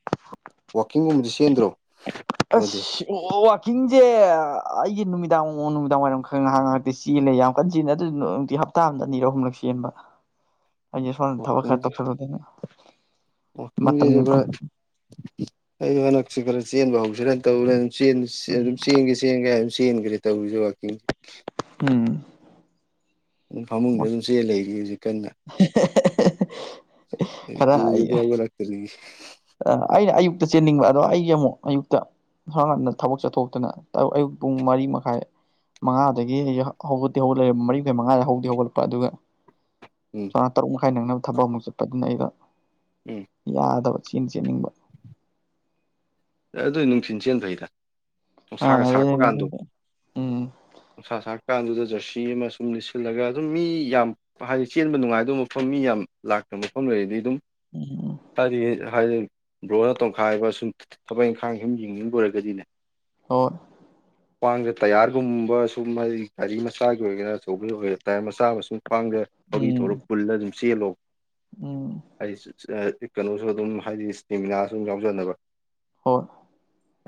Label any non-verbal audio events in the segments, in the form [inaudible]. [inaudible] ꯋꯥꯋꯀꯤꯡꯒꯨꯝꯕꯗꯤ ꯆꯦꯟꯗ꯭ꯔꯣ ꯅꯣꯏꯗꯤ ꯑꯁ ꯑꯣ ꯋꯥꯋꯥꯛꯀꯤꯡꯁꯦ ꯑꯩꯒꯤ ꯅꯨꯃꯤꯗꯥꯡ ꯅꯨꯃꯤꯗꯥꯡ ꯋꯥꯏꯔꯝ ꯈꯪꯅ ꯍꯥꯡꯉꯥꯛꯇꯤ ꯆꯦꯜꯂꯦ ꯌꯥꯝ ꯀꯟꯅ ꯆꯦꯜꯟꯅꯦ ꯑꯗꯨ ꯍꯞꯇꯥ ꯑꯃꯗ ꯑꯅꯤꯔꯛ ꯑꯍꯨꯝꯂꯛ ꯆꯦꯟꯕ꯫ [inaudible] ꯑꯩꯦ ꯁ ꯊꯕ ꯋꯥꯛꯀꯤꯡ ꯈꯔꯇꯧ ꯈꯔꯗꯅ ꯃ ꯑꯩ ꯍꯟꯗꯛꯁꯦ ꯈꯔ ꯆꯦꯟꯕ ꯍꯧꯁꯤꯔꯅ ꯇꯧꯔꯦ ꯆꯦꯟ ꯆꯦꯟ ꯁꯤ ꯆꯦꯟ ꯀꯦ ꯍꯥꯏꯝ ꯆꯦꯟꯈ꯭ꯔꯦ ꯇꯧꯔꯤꯁꯦ ꯋꯥꯋꯀꯤꯡꯁꯦ ꯎꯝ ꯐꯃꯨꯡꯗ ꯑꯗꯨꯝ ꯆꯦꯜ ꯂꯩꯔꯤ ꯍꯧꯖꯤꯛ ꯀꯟꯅ ꯇꯨꯒꯤꯕꯗꯒꯤ ꯍꯧ꯫ ꯄꯣꯂꯛꯇꯅꯤ ꯏꯁ꯫ ꯑ ꯑꯩꯅ ꯑꯌꯨꯛꯇ ꯆꯦꯟꯅꯤꯡꯕ ꯑꯗꯣ ꯑꯩꯒꯤ ꯑꯃꯨꯛ ꯑꯌꯨꯛꯇ꯫ ꯉꯔ ꯉꯟꯅ ꯊꯕꯛ ꯆꯠꯊꯣꯛꯇꯅ ꯑꯌꯨꯛ ꯄꯨꯡ ꯃꯔꯤ ꯃꯈꯥꯏ꯫ ꯃꯉꯥꯗꯒꯤ ꯑꯩ ꯍꯧ ꯍꯧꯒꯠꯇꯤ ꯍꯧꯒꯠꯂꯛꯦ ꯃꯔꯤꯈꯥꯏ ꯃꯉꯥꯗ ꯍꯧꯗꯤ ꯍꯧꯒꯠꯂꯛꯄ ꯑꯗꯨꯒ꯫ ꯎꯝ ꯆꯥꯎꯥ ꯇꯔꯨꯛ ꯃꯈꯥꯏ ꯅꯪꯅꯕ ꯊꯕꯛ ꯑꯃꯨꯛ ꯆꯠꯄꯗꯨꯅ ꯑꯩꯒ ꯎꯝ ꯌꯥꯗꯕ ꯆꯦꯟꯗꯤ ꯆꯦꯟꯅꯤꯡꯕ꯫ ꯑꯗꯨ ꯅꯨꯡꯊꯤꯟ ꯆꯦꯟꯕꯩꯅꯤꯗ ꯑꯥ ꯅꯨꯡꯁꯥꯒ ꯑꯗꯨꯅꯦ ꯁꯥꯔꯛꯄ ꯀꯥꯟꯗꯣ꯫ ꯅꯨꯡꯊꯤꯟꯗ ꯎꯝ ꯅꯨꯡꯁꯥ ꯁꯔꯀꯥꯟꯗꯨꯗ ꯖꯔꯁꯤ ꯑꯃ ꯁꯨꯝ ꯂꯤꯠꯁꯤꯜꯂꯒ ꯑꯗꯨꯝ ꯃꯤ ꯌꯥꯝ ꯍꯥꯏꯗꯤ ꯆꯦꯟꯕ ꯅꯨꯡꯉꯥꯏꯗꯕ ꯃꯐꯝ ꯃꯤ ꯌꯥꯝ ꯂꯥꯛꯇꯕ ꯃꯐꯝ ꯂꯩꯔꯗꯤ ꯑꯗꯨꯝ ꯎꯝ ꯍꯥꯏꯗꯤ ꯍꯥꯏꯗꯤ ꯕ꯭ꯔꯣꯅ ꯇꯣꯡꯈꯥꯏꯕ ꯁꯨꯝ ꯊꯕꯛ ꯏꯪꯈꯥꯡ ꯁꯨꯝ ꯌꯦꯡꯅꯤꯡꯕ ꯑꯣꯏꯔꯒꯗꯤꯅꯦ ꯑꯣ꯫ ꯈꯋꯥꯥꯡꯗ ꯇꯌꯥꯔꯒꯨꯝꯕ ꯁꯨꯝ ꯒꯥꯔꯤ ꯃꯆꯥꯒꯤ ꯑꯣꯏꯒꯦꯔ ꯑꯆꯧꯕ ꯑꯣꯏꯒꯦ ꯇꯌꯥꯔ ꯃꯆꯥ ꯑꯃꯁꯨꯡ ꯈꯋꯥꯡꯗ꯫ ꯊꯧꯔꯤ ꯎꯝ ꯊꯧꯔꯒ ꯄꯨꯜꯂ ꯑꯗꯨꯝ ꯆꯦꯜꯂꯣ꯫ ꯎꯝ꯫ ꯑꯩꯁ ꯀꯩꯅꯣꯁꯨ ꯑꯗꯨꯝ ꯍꯥꯏꯗꯤ ꯏꯁꯇꯦꯃꯤꯅꯥꯁꯨ ꯑꯗꯨꯝ ꯌꯥꯎꯖꯅꯕ꯫ ꯍꯣꯏ꯫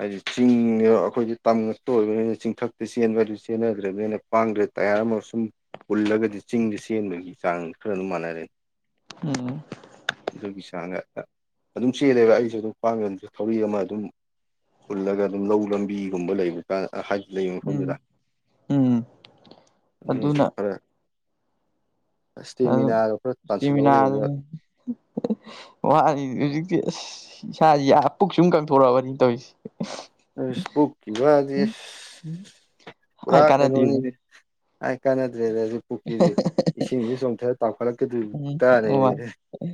ꯍꯥꯏꯗꯤ ꯆꯤꯡꯗ ꯑꯩꯈꯣꯏꯗꯤ ꯇꯝ꯫ ꯑꯣꯏꯕꯅꯤꯅ ꯆꯤꯡꯊꯛꯇ ꯆꯦꯟꯕ ꯆꯦꯟꯅꯗ꯭ꯔꯕꯅꯤꯅ ꯄꯥꯡꯗ꯭ꯔꯦ ꯇꯥꯏꯌꯥꯔ ꯑꯃ ꯁꯨꯝ ꯄꯨꯜꯂꯒꯗꯤ ꯆꯤꯡꯗꯤ ꯆꯦꯟꯕꯒꯤ ꯆꯥꯡ ꯈꯔ ꯗꯨꯝ ꯃꯥꯟꯅꯔꯦ꯫ ꯎꯝ ꯑꯗꯨꯒꯤ ꯆꯥꯡꯗ ꯑꯍ ꯑꯗꯨꯝ ꯆꯦꯜꯂꯦꯕ ꯑꯩꯁꯨ ꯑꯗꯨꯝ ꯈꯋꯥꯡꯗ ꯑꯗꯨꯝ ꯊꯧꯔꯤ ꯑꯃ ꯑꯗꯨꯝ꯫ ꯄꯨꯜꯂꯒ ꯑꯗꯨꯝ ꯂꯧ ꯂꯝꯕꯤꯒꯨꯝꯕ ꯂꯩꯕ꯫ ꯑ ꯍꯥꯏ ꯂꯩꯕ ꯃꯐꯝꯗꯨꯗ ꯎꯝ ꯎꯝ ꯑꯗꯨꯅ [unintelligible] ꯐꯔ ꯑꯗꯨ ꯏꯁꯇꯦꯃꯤꯅꯥꯗ ꯇꯥꯟꯁꯤꯜꯍꯧꯔꯒ ꯋꯥꯔꯤ ꯍꯧꯖꯤꯛꯇꯤ ꯑꯁ꯫ ꯏꯁꯥꯥꯁꯤ ꯌꯥ ꯄꯨꯛ ꯁꯨꯝ ꯀꯪꯊꯣꯔꯛꯑꯕꯅꯤ ꯇꯧꯔꯤꯁꯤ꯫ ꯑꯁ ꯄꯨꯛꯀꯤ ꯋꯥꯗꯤ ꯑꯁ ꯄꯨꯔꯥ ꯍꯥꯏ ꯀꯥꯟꯅꯗꯦꯕ ꯀꯩꯅꯣꯅꯤꯅꯦ ꯍꯥꯏ ꯀꯥꯟꯅꯗ꯭ꯔꯦꯗ ꯑꯗꯨ ꯄꯨꯛꯇꯨꯗꯤ ꯏꯁꯤꯡꯗ ꯆꯣꯡꯊꯔ ꯇꯥꯎꯈꯠꯂꯛꯀꯗꯣꯏ ꯄꯨꯛꯇꯅꯦ ꯑꯗꯨ꯫ ꯍꯦ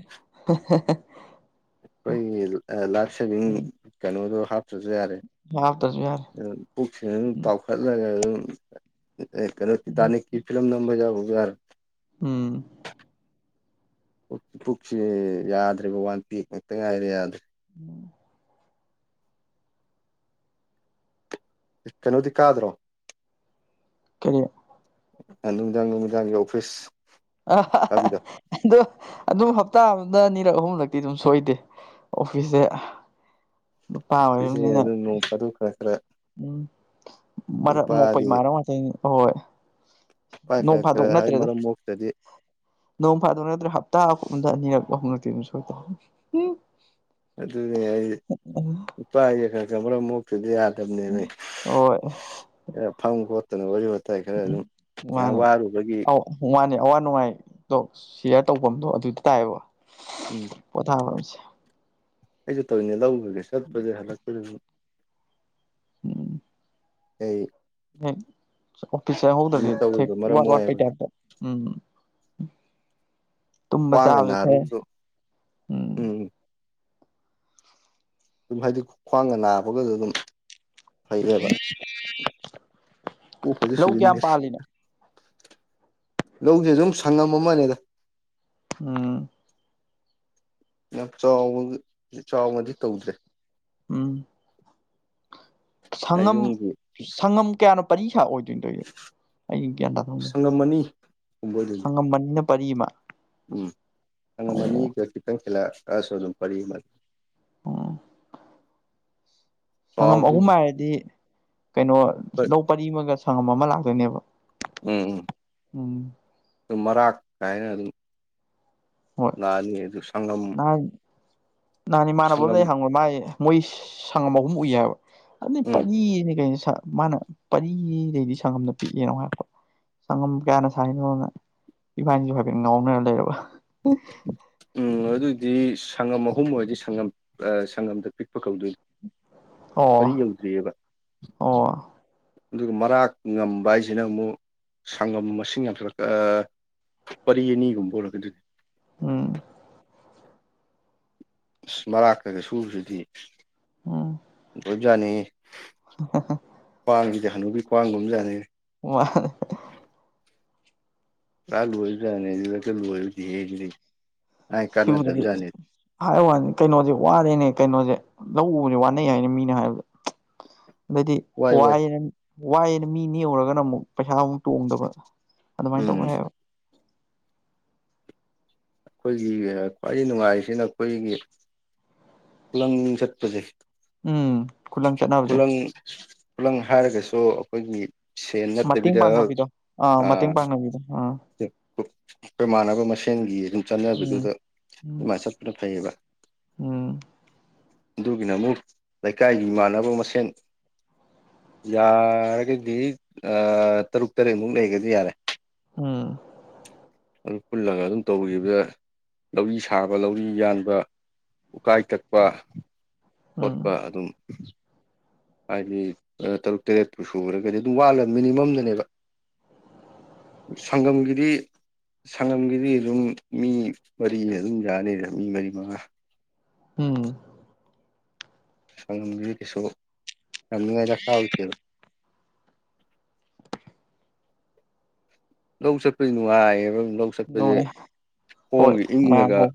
ꯍꯦ꯫ ꯑꯩꯈꯣꯏꯒꯤ ꯂꯥꯏꯐ ꯁꯦꯚꯤꯡ ꯀꯩꯅꯣꯗꯣ ꯍꯥꯞꯇꯁꯨ ꯌꯥꯔꯦ ꯍꯥꯞꯇ꯭ꯔꯁꯨ ꯌꯥꯔꯦ ꯑꯝ꯫ ꯄꯨꯛꯁꯤ ꯑꯗꯨꯝ ꯆꯥꯎꯥꯎꯈꯠꯂꯒ ꯑꯗꯨꯝ ꯀꯩꯅꯣ ꯎꯝ ꯇꯤꯇꯥꯅꯤꯛꯀꯤ ꯐꯤꯂꯝ ꯅꯝꯕ ꯌꯥꯎꯕ ꯌꯥꯔꯦ ꯎꯝ ꯄꯨꯛ ꯄꯨꯛꯁꯤ ꯌꯥꯗ꯭ꯔꯦꯕ ꯋꯥꯟ ꯄꯦꯛ ꯉꯥꯛꯇ ꯉꯥꯏꯔꯦ ꯌꯥꯗ꯭ꯔꯦ꯫ ꯎꯝ꯫ ꯀꯩꯅꯣꯗꯤ ꯀꯥꯗ꯭ꯔꯣ ꯀꯔꯤ꯫ ꯑꯥ ꯅꯨꯃꯤꯡꯗꯥꯡ ꯅꯨꯡꯃꯤꯗꯥꯡꯒꯤ ꯑꯣꯐꯤꯁ꯫ ꯑ ꯀꯥꯕꯤꯗꯣ ꯑꯗꯣ ꯑꯗꯨꯝ ꯍꯞꯇꯥ ꯑꯃꯗ ꯑꯅꯤꯔꯛ ꯑꯍꯨꯝꯂꯛꯇꯤ ꯑꯗꯨꯝ ꯁꯣꯏꯗꯦ ꯑꯣꯐꯤꯁꯦ꯫ ꯅꯨꯄꯤꯁꯦ ꯑꯗꯨꯝ ꯅꯣꯡ ꯐꯗꯣꯛꯀ ꯈꯔ꯫ ꯎꯝ ꯃꯔꯝ ꯃꯣꯛꯄ ꯅꯨꯄꯥꯗꯤ ꯏꯃꯥꯅꯕ ꯉꯥꯛꯇꯅꯤꯗ ꯑꯍꯣꯏ꯫ ꯅꯨꯄꯥ ꯅꯣꯡ ꯈꯔ ꯈꯔ ꯐꯥꯗꯣꯛ ꯍꯥꯏ ꯅꯠꯇ꯭ꯔꯦꯗ ꯃꯔꯝ ꯃꯣꯛꯇꯗꯤ ꯅꯣꯡ ꯐꯥꯗꯣꯛ ꯅꯠꯇ꯭ꯔꯦ ꯍꯞꯇꯥꯗ ꯑ ꯅꯤꯔꯛꯄ ꯍꯧꯂꯛꯇꯦ ꯑꯗꯨ ꯁꯣꯏ꯫ ꯑꯗꯨꯅꯦ ꯑꯩ ꯅꯨꯄꯥꯒ ꯈ ꯀ ꯑꯃꯔꯨꯛ ꯐꯗꯤ ꯌꯥꯗꯕꯅꯦꯅꯦ ꯍꯣꯏ ꯐꯪꯒꯣꯠ꯫ ꯀꯩꯅꯣ ꯋꯥꯔꯤ ꯋꯥꯇꯥꯏ ꯈꯔ ꯑꯗꯨꯝ ꯉꯍꯥꯛ ꯃꯥꯅꯦ ꯋꯥꯔꯨꯕꯒꯤ꯫ ꯑꯧ ꯃꯥꯅꯦ ꯑꯋꯥ ꯅꯨꯡꯉꯥꯏꯗꯣ ꯁꯤꯌꯔ ꯇꯧꯐꯝꯗꯣ ꯑꯗꯨꯗ ꯇꯥꯏꯌꯦꯕ꯫ ꯎꯝ ꯄꯣꯊꯥꯕꯁꯤ꯫ ꯑꯩꯁꯨ ꯇꯧꯔꯤꯅꯦ ꯂꯧꯔꯒꯦ ꯆꯠꯄꯗꯦ ꯍꯂꯛꯄꯗ ꯑꯩ ꯑꯦ ꯑꯣꯐꯤꯁ ꯑꯗꯨꯝ ꯌꯥꯍꯧꯗꯗꯤ ꯊꯦ ꯇꯧꯔꯤꯕ ꯃꯔꯝ ꯏꯋꯥꯠ ꯋꯥꯠꯄꯩ ꯑꯣꯏꯌꯦꯕꯗꯣ ꯇꯥꯏꯞꯇ꯫ ꯎꯝ ꯇꯨꯝꯕ ꯈ꯭ꯋꯥꯡꯒ ꯆꯥꯕꯁꯨ ꯈꯔꯦ ꯅꯥꯔꯨꯕꯗꯣ ꯎꯝ ꯑꯗꯨꯝ ꯍꯥꯏꯗꯤ ꯈ꯭ꯋꯥꯡꯒ ꯅꯥꯕꯒꯁꯨ ꯑꯗꯨꯝ ꯐꯩꯌꯦꯕ ꯀꯣꯛꯀꯁꯦ ꯂꯧ ꯀꯌꯥꯝ ꯁꯨꯖꯤꯟꯒꯔꯦ꯫ ꯄꯥꯜꯂꯤꯅꯣ ꯂꯧꯗꯤ ꯑꯗꯨꯝ ꯁꯪꯉꯝ ꯑꯃꯅꯦꯗ꯫ ꯎꯝ꯫ ꯌꯥꯝ ꯆꯥꯎꯕ ꯆꯥꯎꯅꯗꯤ ꯇꯧꯗ꯭ꯔꯦ꯫ ꯎꯝ ꯁꯪꯉꯝ ꯌꯨꯝꯒꯤ ꯁꯪꯉꯝ ꯀꯌꯥꯅ ꯄꯔꯤ ꯁꯥ ꯑꯣꯏꯗꯣꯏꯗꯣꯏ ꯑꯩ ꯒ꯭ꯌꯥꯟ ꯇꯥ ꯊꯪꯒꯦ ꯁꯉꯝ ꯑꯅꯤ꯫ ꯍꯣꯏꯗ ꯁꯉꯝ ꯑꯅꯤꯅ ꯄꯔꯤꯃ꯫ ꯎꯝ ꯍ ꯁꯥꯉꯝ ꯑꯅꯤꯒ ꯈꯤꯇꯪ ꯍꯤꯜꯂꯛꯑꯑꯁꯨ ꯑꯗꯨꯝ ꯄꯔꯤ ꯑꯃ꯫ ꯑꯣ [unintelligible] ꯁꯪꯉꯝ ꯑꯍꯨꯝ ꯎꯝ ꯍꯥꯏꯔꯗꯤ ꯀꯩꯅꯣ ꯂꯧ ꯄꯔꯤꯃꯒ ꯁꯪꯉꯝ ꯑꯃ ꯂꯥꯛꯇꯣꯏꯅꯦꯕ꯫ ꯎꯝ ꯎꯝ ꯎꯝ ꯑꯗꯨꯝ ꯃꯔꯥꯛ ꯀꯥꯏꯅ ꯑꯗꯨꯝ꯫ ꯍꯣꯏ ꯂꯥꯛꯑꯅꯤ ꯑꯗꯨ ꯁꯪꯉꯝ꯫ ꯅꯍꯥꯟꯅꯦ ꯏꯃꯥꯟꯅꯕ ꯑꯃꯝ ꯂꯩ ꯍꯪꯕ ꯃꯥꯏ ꯃꯣꯏ ꯁꯪꯉꯝ ꯑꯍꯨꯝ ꯎꯏꯌꯦꯕ ꯑꯗꯨ ꯎꯝ ꯄꯔꯤꯅꯦ ꯀꯩꯅꯣ ꯁꯥ꯫ ꯃꯥꯅ ꯄꯔꯤꯗꯩꯗꯤ ꯁꯪꯒꯝꯗ ꯄꯤꯛꯑꯦꯅꯣ ꯍꯥꯏꯔꯛꯄ ꯁꯪꯒꯝ ꯀꯌꯥꯅ ꯁꯥꯏꯔꯤꯅꯣꯅ꯫ ꯏꯕꯥꯅꯤꯁꯨ ꯍꯥꯏꯐꯦꯠ ꯉꯥꯎꯅꯔ ꯂꯩꯔꯕ꯫ ꯎꯝ ꯑꯗꯨꯗꯤ ꯁꯪꯉꯝ ꯑꯍꯨꯝ ꯑꯣꯏꯔꯗꯤ ꯁꯪꯉꯝ ꯁꯪꯉꯝꯗ ꯄꯤꯛꯄ ꯀꯧꯗꯣꯏꯅꯤ ꯄꯔꯤ ꯑꯣ ꯌꯧꯗ꯭ꯔꯤꯑꯕ ꯑꯣ ꯑꯗꯨꯒ ꯃꯔꯥꯛ ꯉꯝꯕ ꯍꯥꯏꯁꯤꯅ ꯑꯃꯨꯛ ꯁꯪꯒꯝ ꯃꯁꯤꯡ ꯌꯥꯝꯊꯠꯂꯛ ꯄꯔꯤ ꯑꯅꯤꯒꯨꯝꯕ ꯑꯣꯂꯛꯀꯗꯅꯦ ꯎꯝ ꯑꯁ ꯃꯔꯥꯛꯛꯇꯒ ꯁꯨꯁꯤꯗꯤ ꯑ ꯄꯨꯖꯥꯅꯤ ꯍ ꯀ꯭ꯋꯥꯏꯁꯤꯗꯤ ꯍꯥꯟꯅꯨꯕꯤ꯭ꯡꯒꯨꯝ ꯑꯃꯖꯅꯤꯡꯉꯤ ꯃꯥ ꯂ ꯂꯣꯏꯔꯕꯖꯥꯅꯦ ꯂꯣꯏꯕꯗꯤ ꯍꯦꯒꯅꯤ ꯁꯤꯕꯨꯗꯤ ꯀꯥꯟꯅꯗꯕꯖꯥꯠꯅꯤ ꯍꯥꯏ ꯋꯥꯅꯤ ꯀꯩꯅꯣꯁꯦ ꯋꯥꯔꯦꯅꯦ ꯀꯩꯅꯣꯁꯦ ꯂꯧ ꯎꯁ ꯋꯥꯅꯩ ꯍꯥꯏꯅꯦ ꯃꯤꯅꯦ ꯍꯥꯏꯕꯗ [unintelligible] ꯑꯗꯩꯗꯤ ꯋꯥꯏ ꯋꯥꯏ ꯋꯥꯏꯅ ꯋꯥꯏꯑꯦꯅ ꯃꯤ ꯅꯦꯛꯎꯨꯔꯒꯅ ꯑꯃꯨꯛ ꯄꯩꯁꯥꯃꯨꯛ ꯇꯣꯡꯗꯕ ꯑꯗꯨꯃꯥꯏꯅ ꯎꯝ ꯇꯧꯋꯦ ꯍꯥꯏꯕ ꯑꯩꯈꯣꯏꯒꯤ ꯈ꯭ꯋꯥꯏꯗꯒꯤ ꯅꯨꯡꯉꯥꯏꯔꯤꯁꯤꯅ ꯑꯩꯈꯣꯏꯒꯤ ꯂꯪ ꯆꯠꯄꯁꯩ ꯎꯝ ꯈꯨꯂꯪ ꯆꯠꯅꯕꯁꯦ ꯈꯨꯂꯪ ꯈꯨꯂꯪ ꯍꯥꯏꯔꯒꯁꯨ ꯑꯩꯈꯣꯏꯒꯤ ꯃꯇꯦꯡ ꯦꯅꯠꯇꯕꯤꯗ ꯄꯥꯡꯅꯕꯤꯗꯣ ꯑꯥ ꯑ ꯃꯇꯦꯡ ꯄꯥꯡꯅꯕꯤꯗꯣ ꯑꯥ ꯑꯩꯈꯣꯏꯃꯥꯟꯅꯕ ꯃꯁꯦꯟꯒꯤ ꯑꯗꯨꯝ ꯎꯝ ꯆꯠꯕꯤꯗꯨꯗ ꯎꯝ ꯑꯗꯨꯃꯥꯏꯅ ꯆꯠꯄꯅ ꯐꯩꯌꯦꯕ ꯎꯝ ꯑꯗꯨꯒꯤꯅ ꯑꯃꯨꯛ ꯂꯩꯀꯥꯏꯒꯤ ꯏꯃꯥꯟꯅꯕ ꯃꯁꯦꯟ ꯌꯥꯔꯒꯗꯤ ꯇꯔꯨꯛ ꯇꯔꯦꯠꯃꯨꯛ ꯂꯩꯒꯗꯤ ꯌꯥꯔꯦ ꯎꯝ ꯑꯗꯨ ꯄꯨꯜꯂꯒ ꯑꯗꯨꯝ ꯇꯧꯈꯤꯕꯗ ꯂꯧꯔꯤ ꯁꯥꯕ ꯂꯧꯔꯤ ꯌꯥꯟꯕ ꯎꯀꯥꯏ ꯇꯛꯄ ꯎꯝ ꯈꯣꯠꯄ ꯑꯗꯨꯝ ꯍꯥꯏꯗꯤ ꯇꯔꯨꯛ ꯇꯔꯦꯠꯄꯨ ꯁꯈꯨꯔꯒꯗꯤ ꯑꯗꯨꯝ ꯋꯥꯠꯂ ꯃꯤꯅꯤꯃꯝꯗꯅꯦꯕ ꯁꯪꯒꯝꯒꯤꯗꯤ ꯁꯪꯒꯝꯒꯤꯗꯤ ꯑꯗꯨꯝ ꯃꯤ ꯃꯔꯤ ꯑꯗꯨꯝ ꯌꯥꯅꯤꯗ ꯃꯤ ꯃꯔꯤ ꯃꯉꯥ ꯎꯝ ꯁꯣ ꯌꯥꯝ ꯉꯗ ꯀꯥꯎꯇ ꯂ ꯂꯧ ꯁꯄ꯭ꯔꯤ ꯅꯨꯡꯉ ꯑꯦꯕꯝ ꯂ ꯅꯨꯡꯉꯥꯏ ꯍꯣꯏ ꯃꯌꯥꯝ ꯏꯪꯉꯒ ꯍꯧ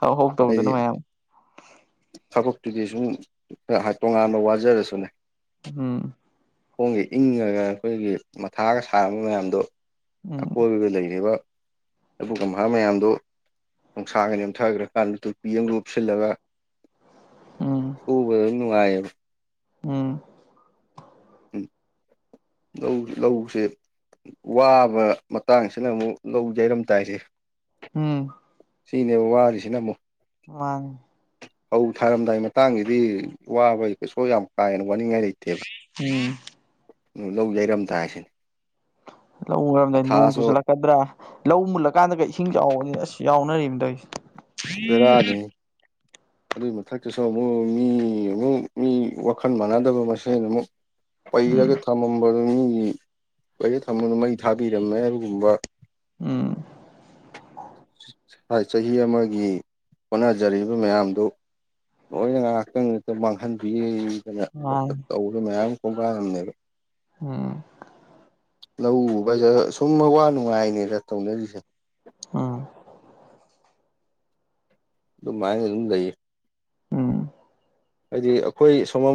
ꯍꯧ ꯍꯧ ꯇꯧꯗꯅ ꯍꯥꯏꯗꯤ ꯃꯌꯥꯝ ꯊꯕꯛꯇꯨꯗꯤ ꯁꯨꯝ ꯇꯣꯉꯥꯟꯅ ꯋꯥꯖꯔꯁꯨꯅꯦ ꯎꯝ ꯈꯣꯡꯒ ꯏꯪꯉꯒ ꯑꯩꯈꯣꯏꯒꯤ ꯃꯊꯥꯒ ꯁꯥꯔꯝꯕ ꯃꯌꯥꯝꯗꯣ ꯎꯝ ꯑꯀꯣꯏꯕꯗ ꯂꯩꯔꯤꯕ ꯑꯗꯨꯒꯚꯥ ꯃꯌꯥꯝꯗꯣ ꯅꯨꯡꯁꯥꯒ ꯅꯦꯝꯊꯈ꯭ꯔꯀꯥꯟꯗ ꯇꯨꯄꯤ ꯑꯃ ꯂꯨꯞꯁꯤꯜꯂꯒ ꯎꯝ ꯎꯕꯗꯣ ꯅꯨꯡꯉꯥꯏꯌꯦꯕ ꯎꯝ ꯂꯧ ꯂꯧꯁꯦ ꯋꯥꯕ ꯃꯇꯥꯡꯁꯤꯅ ꯑꯃꯨꯛ ꯂꯧ ꯌꯩꯔꯝꯗꯥꯏꯁꯦ ꯎꯝ ꯁꯤꯅꯦꯕ ꯋꯥꯔꯤꯁꯤꯅ ꯑꯃꯨꯛ ꯃꯥ ꯐꯧ ꯊꯥꯔꯝꯗꯥꯏ ꯃꯇꯥꯡꯁꯤꯗꯤ ꯋꯥꯕꯒꯤ ꯀꯩꯁꯨ ꯌꯥꯝ ꯀꯥ ꯍꯦꯟꯅ ꯋꯥꯅꯤꯡꯉꯥꯏ ꯂꯩꯇꯦꯕ ꯎꯝ ꯂꯧ ꯌꯩꯔꯝ ꯇꯁꯤꯅꯦ ꯂ ꯎꯔꯝꯗꯥꯏ ꯅꯣꯡ ꯆꯨꯁꯤꯜꯂꯛꯀꯗ꯭ꯔꯥ ꯂꯧ ꯃꯨꯜꯂꯀꯥꯟꯗꯒ ꯏꯁꯤꯡ ꯆꯥꯎꯕꯅꯤ ꯑꯁ ꯌꯥꯎꯅꯔꯤꯝꯗꯣ ꯑꯩꯁꯦ ꯏꯁꯕꯤꯔꯅꯤ ꯑꯗꯨꯏ ꯃꯊꯛꯇꯁꯨ ꯑꯃꯨꯛ ꯃꯤ ꯑꯃꯨꯛ ꯃꯤ ꯋꯥꯈꯜ ꯃꯥꯟꯅꯗꯕ ꯃꯁꯦꯟ ꯑꯃꯨꯛ ꯄꯩꯔꯒ ꯎꯝ ꯊꯝꯃꯝꯕꯗꯨ ꯃꯤ ꯄꯩꯔ ꯊꯝꯃꯗꯨ ꯃꯩ ꯊꯥꯕꯤꯔꯝꯃꯦ ꯑꯗꯨꯒꯨꯝꯕ ꯎꯝ ꯊꯥꯏ ꯆꯍꯤ ꯑꯃꯒꯤ ꯍꯣꯠꯅꯖꯔꯤꯕ ꯃꯌꯥꯝꯗꯨ ꯅꯣꯏꯅ ꯉꯥꯏꯍꯥꯛꯇꯪꯠꯇ ꯃꯥꯡꯍꯟꯕꯤꯗꯅ ꯃꯥꯅꯤ ꯋꯥꯆꯞ ꯇꯧꯕ ꯃꯌꯥꯝ ꯀꯣꯡꯒꯜꯂꯝꯅꯦꯕ ꯎꯝ ꯂꯧ ꯎꯕ ꯍꯥꯏꯁꯦ ꯁꯨꯝ ꯑꯋꯥ ꯅꯨꯡꯉꯥꯏꯅꯦꯅ ꯇꯧꯅꯔꯤꯁꯦ ꯎꯝ ꯑꯗꯨꯝ ꯃꯥꯏ ꯑꯗꯨꯝ ꯂꯩꯌꯦ ꯎꯝ ꯍꯥꯏꯗꯤ ꯑꯩꯈꯣꯏ ꯁꯣꯝ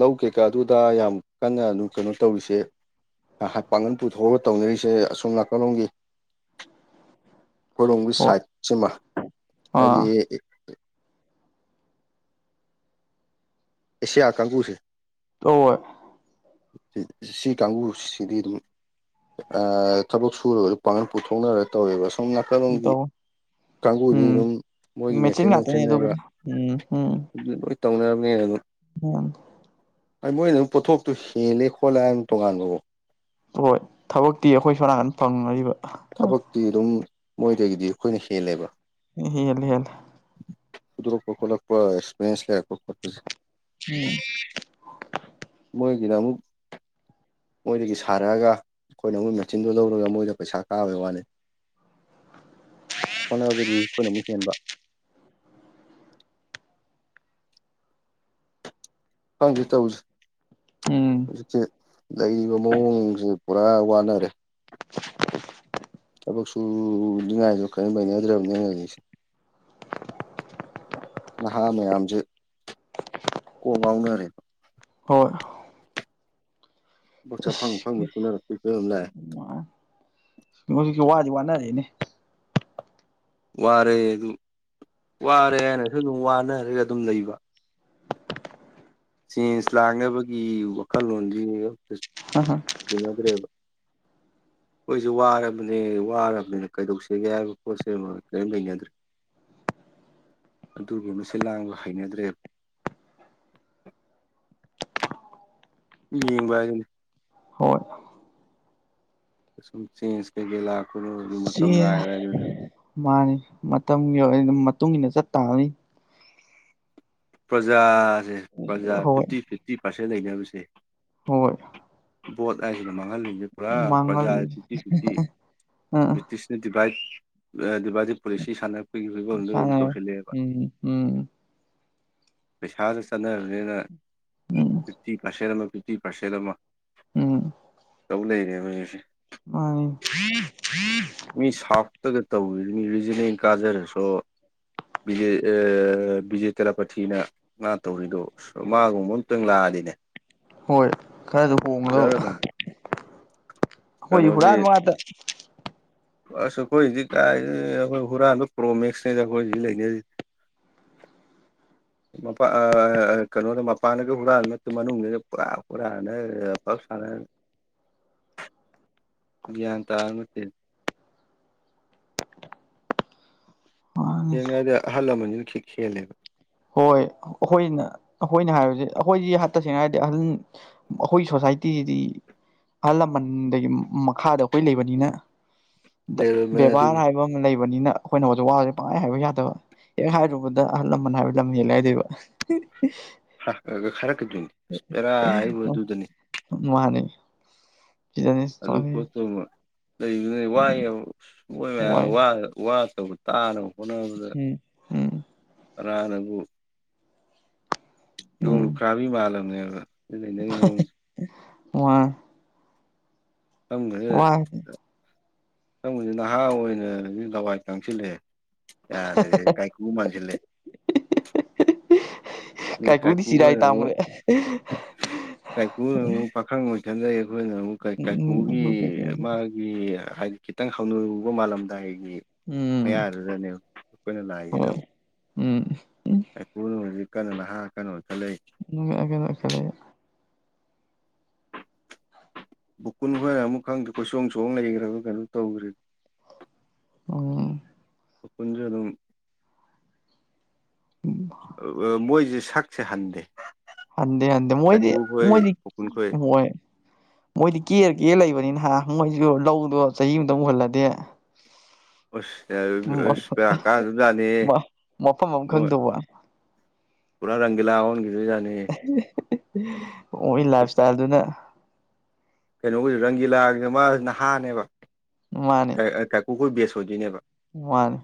ꯂꯧ ꯀꯩꯀꯥ ꯑꯗꯨꯗ ꯌꯥꯝ ꯀꯟꯅ ꯑꯗꯨꯝ ꯀꯩꯅꯣ ꯇꯧꯔꯤꯁꯦ ꯄꯥꯡꯒꯜ ꯄꯨꯊꯣꯛꯑꯒ ꯇꯧꯅꯔꯤꯁꯦ ꯑꯁꯣꯝ ꯅꯥꯀꯜꯂꯣꯝꯒꯤ ꯀꯣꯂꯣꯝꯒꯤ ꯍꯣꯏ ꯁꯥꯏꯠꯁꯤꯃ ꯍꯥꯏꯗꯤ ꯑꯥ ꯑꯦꯁꯤꯌꯥ ꯀꯥꯡꯒꯨꯁꯦ ꯑ ꯁꯤ ꯀꯥꯡꯕꯨꯁꯤꯗꯤ ꯑꯗꯨꯝ ꯊꯕꯛ ꯁꯨꯔꯒꯁꯨ ꯄꯥꯡꯒꯜ ꯄꯨꯊꯣꯛꯅꯔꯒ ꯇꯧꯋꯦꯕ ꯁꯣꯝ ꯅꯥꯀꯜꯂꯣꯝꯒꯤ ꯇꯧ ꯀꯥꯡꯕꯨꯗꯤ ꯎꯝ ꯑꯗꯨꯝ ꯃꯣꯏꯒꯤ ꯃꯦꯆꯤꯟ ꯅꯨꯡꯆꯤꯟ ꯉꯥꯛꯇꯅꯦ ꯍꯥꯏꯕ ꯑꯗꯨꯕꯨꯗꯤ ꯎꯝ ꯇꯧꯅꯔꯕꯅꯦ ꯑꯗꯨ ꯎ ꯃꯣꯏꯅ ꯑꯗꯨꯝ ꯄꯣꯊꯣꯛꯇꯨ ꯍꯦꯜꯂꯦ ꯈꯣꯠꯂꯦ ꯍꯥꯏ ꯇꯣꯉꯥꯟꯕꯕꯨꯣ ꯍꯣꯏ ꯊꯕꯛꯇꯤ ꯑꯩꯈꯣꯏ ꯁꯣ ꯅꯥꯀꯟ ꯐꯪꯅꯔꯤꯕ ꯑ, ꯊꯕꯛꯇꯤ ꯑꯗꯨꯝ ꯃꯣꯏꯗꯒꯤꯗꯤ ꯑꯩꯈꯣꯏꯅ ꯍꯦꯜꯂꯦꯕ ꯍꯂ ꯍꯂ ꯣꯂ ꯂꯩ ꯎꯝ ꯃꯣꯏ ꯀꯗ ꯑꯃꯨꯛ ꯃꯣꯏꯗꯒꯤ ꯁꯥꯔꯛꯑꯒ ꯑꯩꯈꯣꯏꯅ ꯃꯣꯏ ꯃꯦꯆꯤꯟꯗꯨꯣ ꯂꯧꯔꯒ ꯃꯣꯏꯗ ꯄꯩꯁꯥ ꯀꯥꯕꯩ ꯋꯥꯅꯤ ꯍꯣꯠꯅꯕꯗꯤ ꯑꯩꯈꯣꯏꯅ ꯑꯃꯨꯛ ꯍꯦꯟꯕ ꯐꯪꯁꯤ ꯇꯧꯁꯤ ꯎꯝ ꯍꯧꯖꯤꯛꯦ ꯂꯩꯔꯤꯕ ꯃꯑꯣꯡꯁꯦ ꯄꯨꯔꯥ ꯋꯥꯅꯔꯦ ꯊꯕꯛ ꯁꯨꯅꯤꯡꯉꯥꯏꯁꯨ ꯀꯔ ꯂꯩꯩꯅꯗ꯭ꯔꯕꯅꯦ ꯍꯧꯖꯤꯛꯁꯦ ꯅꯍꯥ ꯃꯌꯥꯝꯁꯦ ꯀꯣꯛ ꯉꯥꯎꯅꯔꯦꯕ ꯍꯣꯏ ꯕꯁꯥ ꯐꯪ ꯐꯪꯕ ꯑꯁ ꯁꯨꯅꯔꯛꯄꯤꯈ ꯑꯃꯂꯦ ꯍꯧꯖꯤꯛꯀꯤ ꯋꯥꯗꯤ ꯋꯥꯅꯔꯛꯏꯅꯦ ꯋꯥꯔ ꯑꯗꯨ ꯋꯥꯔꯦ ꯍꯥꯏꯅꯁꯨ ꯑꯗꯨꯝ ꯋꯥꯅꯔꯒ ꯑꯗꯨꯝ ꯂꯩꯕ ꯆꯦꯟꯖ ꯂꯥꯡꯅꯕꯒꯤ ꯋꯥꯈꯜꯂꯣꯟꯁꯤ ꯍ ꯍꯝ ꯃꯅꯗꯦꯕ ꯑꯩꯈꯣꯏꯁꯨ ꯋꯥꯔꯕꯅꯦ ꯋꯥꯔꯕꯅꯤꯅ ꯀꯩꯗꯧꯁꯒꯦ ꯍꯥꯏꯕ ꯄꯣꯠꯁꯦ ꯑꯃ ꯀꯔꯤꯝ ꯂꯩꯅꯗ꯭ꯔꯔꯤ ꯑꯗꯨꯒꯒꯤ ꯃꯁꯦ ꯂꯥꯡꯕ ꯍꯩꯅꯗ꯭ꯔꯦꯕ ꯌꯦꯡꯕ ꯑꯗꯨ ꯍꯣꯏ ꯀ ꯆꯖ ꯀꯥ ꯀꯩꯅꯣ ꯑꯁꯤ ꯃꯥꯅꯤ ꯃꯇꯝꯒꯤ ꯑꯣꯏꯅ ꯃꯇꯨꯡ ꯏꯟꯅ ꯆꯠ ꯇꯥꯕꯅꯤ ꯄ꯭ꯔꯖꯥꯁꯦ ꯄ꯭ꯔꯖꯥ ꯍꯣꯏ ꯐꯤꯐꯇꯤ ꯐꯤꯐꯇꯤ ꯄꯥꯔꯁꯦꯟ ꯂꯩꯅꯕꯁꯦ ꯍꯣꯏ ꯕꯣꯠ ꯍꯥꯏꯁꯤꯅ ꯃꯥꯡꯍꯜꯂꯤꯁꯦ ꯄꯨꯔꯥ ꯄ꯭ꯔꯖꯥꯒꯤ ꯃꯥꯡꯍꯜ ꯐꯤꯐꯇꯤ ꯐꯤꯐꯇꯤ ꯑꯥ ꯕ꯭ꯔꯤꯇꯤꯁ ꯗꯤꯚꯥꯏ ꯑꯦ ꯗꯤꯚꯥꯏꯗꯤ ꯄꯨꯣꯂꯤꯁꯤ ꯁꯥꯟꯅꯕꯒꯤ ꯐꯤꯕꯝꯗ ꯑꯗꯨꯝ ꯆꯥꯟꯅꯔꯦ ꯇꯧꯁꯤꯜꯂꯑꯦꯕ ꯎꯝ ꯎꯝ ꯄꯩꯁꯥꯗ ꯆꯠꯅꯔꯕꯅꯤꯅ ꯎꯝ ꯐꯤꯐꯇꯤ ꯄꯥꯔꯁꯦꯟ ꯑꯃ ꯐꯤꯐꯇꯤ ꯄꯥꯔꯁꯦꯟ ꯑꯃ ꯎꯝ ꯇꯧ ꯂꯩꯔꯦ ꯃꯣꯏꯁꯦ ꯎꯝ ꯃꯤ ꯁꯥꯎꯇꯒ ꯇꯧꯋ ꯃꯤ ꯔꯤꯖꯅꯦꯜ ꯀꯥꯖꯔꯁꯨ ꯕꯤꯖꯦ ꯑ ꯕꯤꯖꯦ ꯊꯥꯔꯥꯄꯇꯤꯅ ꯃꯥ ꯇꯧꯔꯤꯗꯣ ꯃꯥꯒꯨꯝꯕ ꯑꯝꯇꯪ ꯂꯥꯛꯑꯗꯤꯅꯦ ꯍꯣꯏ ꯈꯔꯗ ꯐꯖꯔ ꯍꯣꯡꯒꯗꯕ ꯑꯗꯨꯝ ꯍꯣꯏꯁꯨ ꯀꯩꯅꯣꯁꯤ ꯍꯨꯔꯥꯟ ꯉꯥꯛꯇ ꯑꯁ ꯑꯩꯈꯣꯏ ꯍꯧꯖꯤꯛ ꯀꯥꯏ ꯑꯩꯈꯣꯏ ꯍꯨꯔꯥꯟꯕꯗꯣ ꯀ꯭ꯔꯣꯃꯦꯛꯁꯅꯦꯗ ꯑꯩꯈꯣꯏ ꯍꯧꯖꯤꯛ ꯂꯩꯅꯤꯔꯤꯁꯤ ꯃ ꯀꯩꯅꯣꯗ ꯃꯄꯥꯟꯗꯒ ꯍꯨꯔꯥꯟ ꯃꯅꯨꯡꯁꯤ ꯄꯨꯔꯥ ꯍꯨꯔꯥꯅ ꯐ ꯁꯥꯟꯅ ꯭ꯌꯥꯟ ꯇꯥꯔꯠꯇ ꯃꯥꯅꯤ ꯌꯦꯡꯅꯉꯏꯗ ꯑꯍꯜ ꯂꯃꯟ ꯅꯨꯡꯁꯤꯛ ꯍꯦꯜꯂꯦꯕ ꯍꯣꯏ ꯑꯩꯈꯣꯏꯅ ꯑꯩꯈꯣꯏꯅ ꯍꯥꯏꯕꯁꯦ ꯑꯩꯈꯣꯏꯁꯤ ꯇꯁꯦꯡꯅ ꯍꯥꯏꯔꯗꯤ ꯑꯍꯜ ꯑꯩꯈꯣꯏ ꯁꯣꯁꯥꯏꯇꯤꯁꯤꯗꯤ ꯑꯍꯜ ꯂꯃꯟꯗꯒꯤ ꯃꯈꯥꯗ ꯑꯩꯈꯣꯏ ꯂꯩꯕꯅꯤꯅ ꯂꯩꯔꯃꯤꯅ ꯚꯦꯕꯥꯔ ꯑꯗꯨꯅꯤ ꯍꯥꯏꯕ ꯑꯝ ꯂꯩꯕꯅꯤꯅ ꯑꯩꯈꯣꯏꯅ ꯍꯧꯖꯤꯛ ꯋꯥꯁꯦ ꯄꯥꯏ ꯍꯥꯏꯕ ꯌꯥꯗꯕ ꯍꯦꯛ ꯍꯥꯏꯔꯨꯕꯗ ꯑꯍꯜ ꯂꯃꯟ ꯍꯥꯏꯕ ꯂꯝꯍꯦꯜꯂꯦ ꯍꯥꯏꯗꯣꯏꯕ [unintelligible] ꯈꯔꯛꯀꯗꯣꯏꯅꯤ ꯏꯁ ꯄꯦꯔꯥ ꯍꯥꯏꯕ ꯑꯗꯨꯗꯅꯤ ꯃꯥꯅꯤ ꯁꯤꯗꯅꯦ [unintelligible] ꯂꯩꯕꯗꯨꯅ ꯋꯥ ꯃꯣꯏ ꯋꯥꯏ ꯃꯌꯥꯝ ꯋꯥ ꯇꯧꯕ ꯇꯥꯅꯕ ꯍꯣꯠꯅꯕꯗ ꯎꯝ ꯎꯝ ꯔꯅꯕꯨ ꯌꯣꯡ ꯎꯝ ꯂꯨꯈ꯭ꯔꯥꯕꯤ ꯃꯥꯜꯂꯝꯅꯦ ꯑꯕ ꯑꯗꯨ ꯂꯩꯅꯒꯤ ꯃꯑꯣꯡꯁꯦ ꯃ ꯈꯪꯗꯦꯍꯦ ꯁꯪꯁ ꯅꯍꯥ ꯑꯣꯏꯅ ꯂꯋꯥꯏ ꯇꯪꯁꯤꯜꯂꯦ ꯌꯥꯗ꯭ꯔꯦ ꯀꯥꯏꯈꯨ ꯃꯥꯟꯁꯤꯜꯂꯦ ꯃꯤ ꯀꯥꯏꯀꯨꯗꯤ ꯁꯤꯔꯥꯏ ꯀꯥꯏꯀꯨꯒꯅ ꯑꯃꯨꯛ ꯇꯥꯡꯕꯅꯦ ꯀꯥꯏꯀꯨꯅ ꯑꯃꯨꯛ ꯄꯥꯈꯪ ꯑꯣꯏ ꯈꯟꯗꯩ ꯑꯩꯈꯣꯏꯅ ꯑꯃꯨꯛ ꯀꯥꯏꯀꯨꯒꯤ ꯃꯥ ꯍꯥꯏꯗꯤ ꯈꯤꯇꯪ ꯍꯧꯅꯔꯨꯕ ꯃꯥꯜꯂꯝꯗꯥꯏ ꯍꯥꯏ ꯎꯝ ꯃꯌꯥꯗꯨꯗꯅꯦꯕ ꯑꯩꯈꯣꯏꯅ ꯂꯥꯛꯏꯁꯤꯅ ꯍꯣꯏ ꯎꯝ ꯎ ꯑꯩꯈꯨꯅ ꯍꯧꯖꯤꯛ ꯀꯩꯅꯣ ꯅꯍꯥ ꯀꯩꯅꯣ ꯈ ꯂꯩ ꯑꯩꯀꯦꯗꯀꯦꯂ ꯕꯣꯀꯨꯟ ꯍꯣꯏ ꯑꯃꯨꯛ ꯈꯪꯗꯦ ꯀꯣꯏ ꯆꯣꯡ ꯁꯣꯡ ꯂꯩꯈ꯭ꯔꯒ ꯀꯩꯅꯣ ꯇꯧꯈ꯭ꯔꯦ ꯑ ꯑꯩꯈꯟꯁꯨ ꯑꯗꯨꯝ ꯎ ꯑ ꯑ ꯃꯣꯏꯁꯦ ꯁꯛꯁꯦ ꯍꯟꯗꯦ ꯍꯗ ꯍꯥꯏꯗꯤ ꯃꯣꯏꯣꯏꯗꯤ ꯀꯥꯏꯀꯨꯈꯣꯏ ꯃꯣꯏꯗꯤ ꯕꯨꯀꯨꯟꯈꯣꯏ ꯃꯣꯏ ꯃꯣꯏꯗꯤ ꯀꯦꯔ ꯀꯦ ꯂꯩꯕꯅꯤ ꯅꯍ ꯃꯣꯏꯁꯨ ꯂꯧꯗꯣ ꯆꯍꯤ ꯑꯃꯨꯛꯇꯪ ꯃꯨꯍꯜꯂꯗꯤꯦ [inaudible] ꯎꯁ [unintelligible] ꯚꯦꫪꯥ ꯀꯥꯗꯣꯏꯖꯥꯠꯅꯤꯍꯦ ꯃꯐꯝ ꯑꯃ ꯃꯣꯏ ꯈꯪꯗꯧꯕ ꯄꯨꯔꯥ ꯔꯪꯒꯤꯂꯥ ꯑꯣꯏꯒꯤꯗꯣꯏꯖꯥꯠꯅꯤꯍꯦ ꯃꯣꯏ ꯂꯥꯏꯞ ꯁꯇꯥꯏꯜꯗꯨꯅ ꯀꯩꯅꯣꯒꯤꯁꯨ ꯔꯪꯒꯤꯂꯥꯒꯤꯅ ꯃꯥꯁꯤ ꯅꯍꯥꯅꯦꯕ ꯃꯥꯅꯦ ꯀꯥꯏꯀꯨꯈꯣꯏ ꯕꯦꯁ ꯑꯣꯏꯗꯣꯏꯅꯦꯕ ꯃꯥꯅꯦ